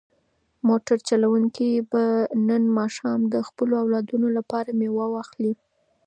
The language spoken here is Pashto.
موټر چلونکی به نن ماښام د خپلو اولادونو لپاره مېوه واخلي.